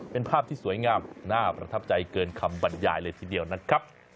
เป็นภาพที่สวยงามน่าประทับใจเกินคำบรรยายเลยทีเดียวนะครับ